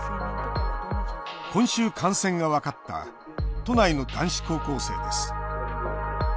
今週、感染が分かった都内の男子高校生です。